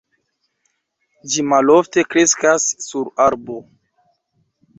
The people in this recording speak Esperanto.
Ĝi malofte kreskas sur arbo.